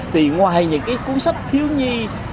thì ngoài những cuốn sách thiếu nhi